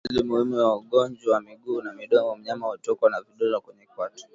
Dalili muhimu ya ugonjwa wa miguu na midomo mnyama hutokwa na vidonda kwenye kwato